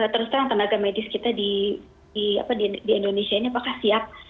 terus terang tenaga medis kita di indonesia ini apakah siap